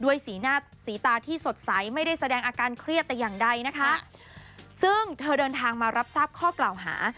สีหน้าสีตาที่สดใสไม่ได้แสดงอาการเครียดแต่อย่างใดนะคะซึ่งเธอเดินทางมารับทราบข้อกล่าวหา